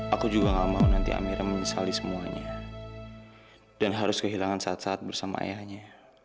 aku juga gak mau nanti amira menyesali semuanya dan harus kehilangan saat saat bersama ayahnya